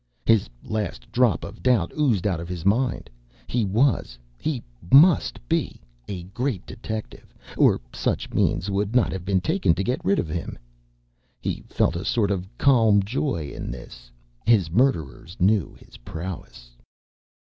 His last drop of doubt oozed out of his mind. He was he must be a great detective, or such means would not have been taken to get rid of him. He felt a sort of calm joy in this. His murderers knew his prowess.